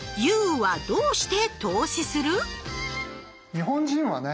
日本人はね